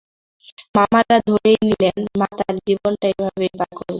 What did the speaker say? মামারা ধরেই নিলেন মা তাঁর জীবনটা এভাবেই পার করবেন।